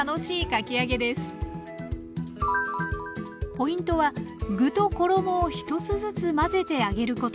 ポイントは具と衣を１つずつ混ぜて揚げること。